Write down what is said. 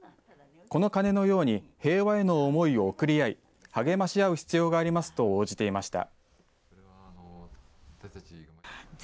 この鐘のように平和への思いを贈り合い励まし合う必要がありますと応じていました。